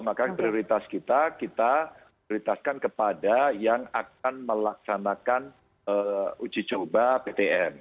maka prioritas kita kita prioritaskan kepada yang akan melaksanakan uji coba ptm